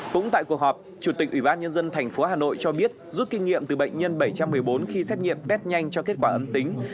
cũng tại cuộc họp chủ tịch ủy ban nhân dân tp hà nội cho biết rút kinh nghiệm từ bệnh nhân bảy trăm một mươi bốn khi xét nghiệm test nhanh cho kết quả âm tính